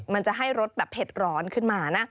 มันจะให้รสแบบเผ็ดร้อนขึ้นมานะ